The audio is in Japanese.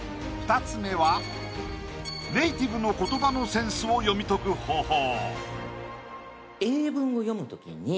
２つ目はネイティブの言葉のセンスを読み解く方法